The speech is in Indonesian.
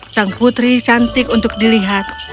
sang putri cantik untuk dilihat